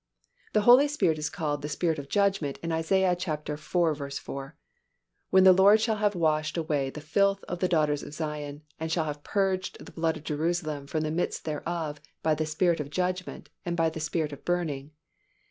_ The Holy Spirit is called the Spirit of judgment in Isa. iv. 4, "When the Lord shall have washed away the filth of the daughters of Zion, and shall have purged the blood of Jerusalem from the midst thereof by the Spirit of judgment, and by the Spirit of burning."